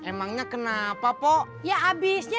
kamu ngapain terk peppern' chatnya